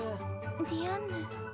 ディアンヌ。